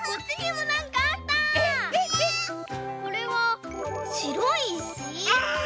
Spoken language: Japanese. これはしろいいし？